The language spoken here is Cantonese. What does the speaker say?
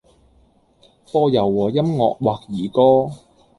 播柔和音樂或兒歌